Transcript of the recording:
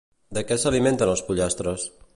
De què s'alimenten els pollastres?